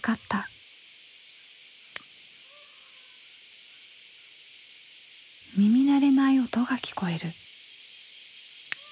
耳慣れない音が聞こえる。